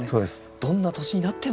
どんな年になっても。